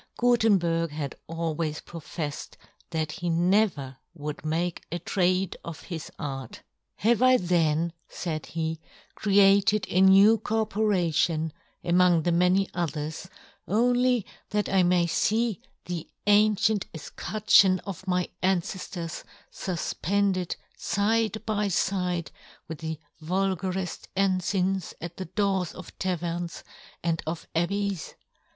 Gutenberg had always profeifed that he never would make a trade of his art. " Have I then," faid he, " crea " ted a new corporation, among the " many others, only that I may fee " the ancient efcutcheon of my an " ceftors fufpended fide by fide with " the vulgareft enfigns at the doors " of taverns, and of abbeys